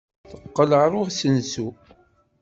Teqqel ɣer usensu.